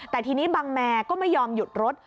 แต่ทีนี้บังแมร์ก็ไม่ยอมหยุดรถ